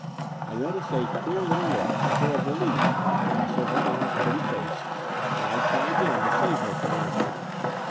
I noticed a queer little look, as though of relief, pass over Ann's pretty face; and I chimed in to save her from answering.